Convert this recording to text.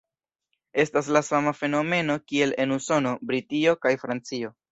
Estas la sama fenomeno kiel en Usono, Britio kaj Francio.